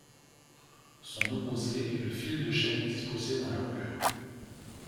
Son opposé est le fil de chaîne disposé dans la longueur.